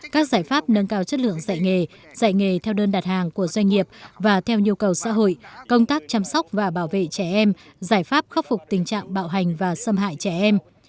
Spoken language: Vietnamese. các giải pháp nâng cao chất lượng dạy nghề dạy nghề theo đơn đặt hàng của doanh nghiệp và theo nhu cầu xã hội công tác chăm sóc và bảo vệ trẻ em giải pháp khắc phục tình trạng bạo hành và xâm hại trẻ em